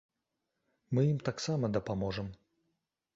Мы ім таксама дапаможам.